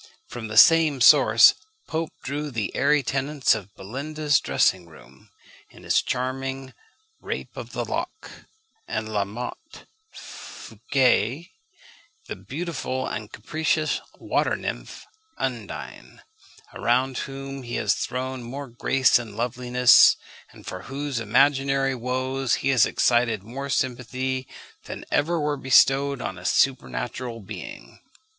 From the same source Pope drew the airy tenants of Belinda's dressing room, in his charming Rape of the Lock; and La Motte Fouqué, the beautiful and capricious water nymph Undine, around whom he has thrown more grace and loveliness, and for whose imaginary woes he has excited more sympathy, than ever were bestowed on a supernatural being.